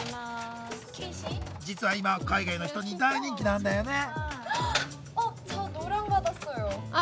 実は今海外の人に大人気なんだよね。